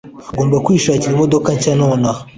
Ugomba kwishakira imodoka nshya nonaha.